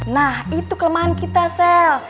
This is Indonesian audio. nah itu kelemahan kita sel